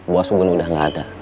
bos bubun udah gak ada